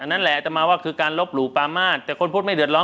นั่นแหละอัตมาว่าคือการลบหลู่ปามาศแต่คนพูดไม่เดือร้อ